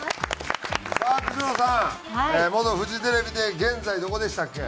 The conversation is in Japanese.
さあ久代さん元フジテレビで現在どこでしたっけ？